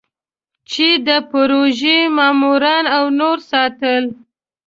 چې د پروژې ماموران او نور ساتل.